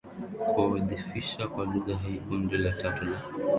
kuudhoofisha kwa lugha hii Kundi la tatu la